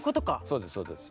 そうですそうです。